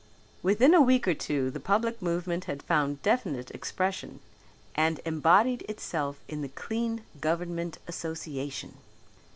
Within a week or two the public movement had found definite expression and embodied itself in the Clean Government Association.